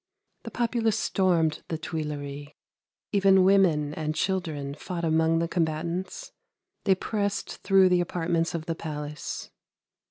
The populace stormed the Tuileries, even women and children fought among the combatants; they pressed through the apartments of the palace.